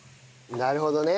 なるほどね。